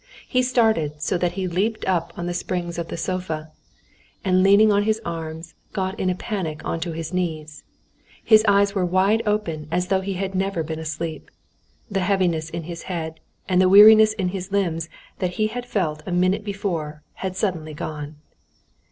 He started so that he leaped up on the springs of the sofa, and leaning on his arms got in a panic onto his knees. His eyes were wide open as though he had never been asleep. The heaviness in his head and the weariness in his limbs that he had felt a minute before had suddenly gone.